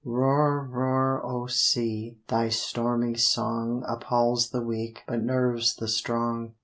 _Roar, roar, O Sea! Thy stormy song Appalls the weak, but nerves the strong.